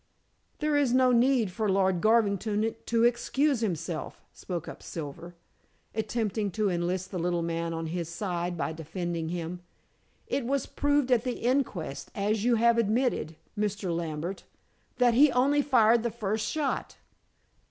"There is no need for Lord Garvington to excuse himself," spoke up Silver, attempting to enlist the little man on his side by defending him. "It was proved at the inquest, as you have admitted, Mr. Lambert, that he only fired the first shot."